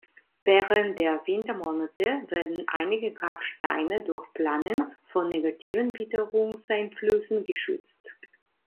Während der Wintermonate werden einige Grabsteine durch Planen vor negativen Witterungseinflüssen geschützt.